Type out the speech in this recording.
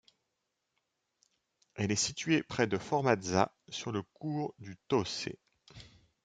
Elle est située près de Formazza sur le cours du Toce.